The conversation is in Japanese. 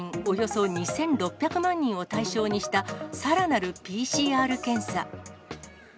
およそ２６００万人を対象にした、さらなるＰＣＲ検査。